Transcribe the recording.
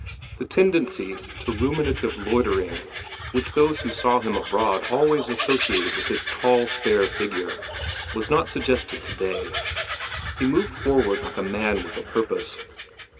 The tendency to ruminative loitering, which those who saw him abroad always associated with his tall, spare figure, was not suggested today. He moved forward like a man with a purpose.